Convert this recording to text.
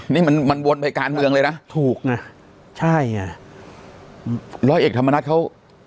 นี่มันมันวนไปการเมืองเลยนะถูกไงใช่ไงร้อยเอกธรรมนัฐเขา